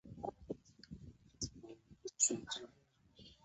The potato-crisp company Tayto has a factory and offices beside Tandragee Castle.